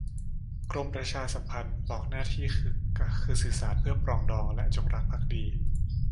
กรมประชาสัมพันธ์ บอกหน้าที่คือสื่อสารเพื่อ ปรองดอง และ จงรักภักดี